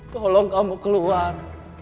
tolong kamu keluar